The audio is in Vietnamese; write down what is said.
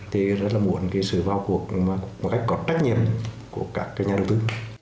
thì rất là muốn cái sự vào cuộc một cách có trách nhiệm của các nhà đầu tư